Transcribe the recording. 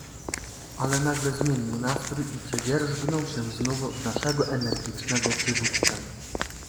"Ale nagle zmienił nastrój i przedzierzgnął się znów w naszego energicznego przywódcę."